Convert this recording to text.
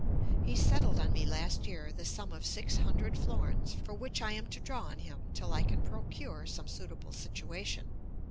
He settled on me last year the sum of six hundred florins, for which I am to draw on him till I can procure some suitable situation.